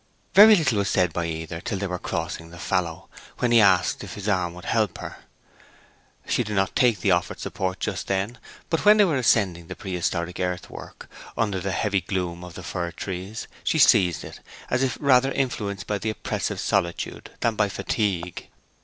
Very little was said by either till they were crossing the fallow, when he asked if his arm would help her. She did not take the offered support just then; but when they were ascending the prehistoric earthwork, under the heavy gloom of the fir trees, she seized it, as if rather influenced by the oppressive solitude than by fatigue.